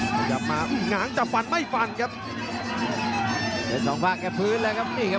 พยายามมาหงางจะฝันไม่ฝันครับสองภาคแค่พื้นเลยครับนี่ครับ